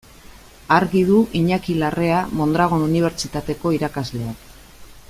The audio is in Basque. Argi du Iñaki Larrea Mondragon Unibertsitateko irakasleak.